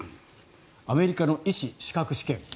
アメリカの医師資格試験